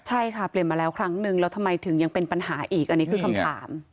ใช่ค่ะเปลี่ยนมาแล้วครั้งนึงแล้วทำไมถึงยังเป็นปัญหาอีกอันนี้คือคำถาม